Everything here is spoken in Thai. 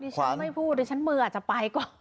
ฉันไม่พูดดิฉันมืออาจจะไปก่อน